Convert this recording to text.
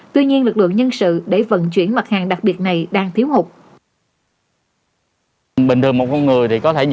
tuy nhiên lực lượng nhân sự để vận chuyển mặt hàng đặc biệt này đang thiếu hụt